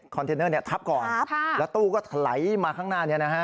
คอนเทนเนอร์เนี้ยทับก่อนครับแล้วตู้ก็ไหลมาข้างหน้านี้นะฮะ